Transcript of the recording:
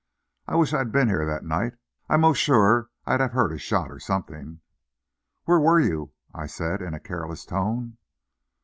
I wish I'd been here that night. I'm 'most sure I'd have heard a shot, or something." "Where were you?" I said, in a careless tone.